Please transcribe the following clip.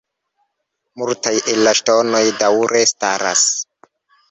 Multaj el la ŝtonoj daŭre staras.